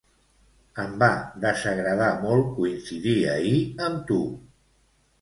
Em va desagradar molt coincidir ahir amb tu!